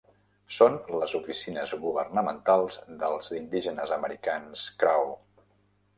Són les oficines governamentals dels indígenes americans Crow.